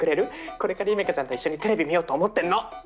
これからユメカちゃんと一緒にテレビ見ようと思ってんの！